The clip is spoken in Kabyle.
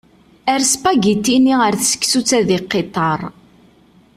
Err spagiti-nni ar tseksut ad yeqqiṭṭer.